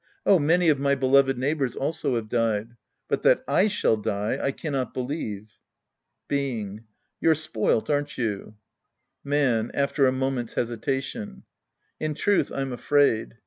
Oh, many of my beloved neighbors also have died. But that I shall die, I cannot believe. Being. You're spoilt, aren't you ? Man {after a moment's hesitation). In truth, I'm afraid.